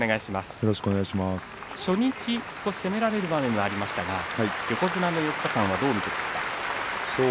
初日、少し攻められる場面がありましたが横綱の４日間はどう見ていますか？